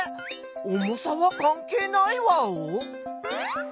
重さはかんけいないワオ？